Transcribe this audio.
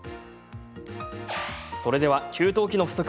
それでは給湯器の不足